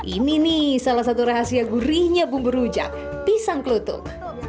ini nih salah satu rahasia gurihnya bumbu rujak pisang kelutung